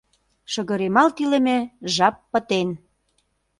Шыгыремалт илыме жап пытен.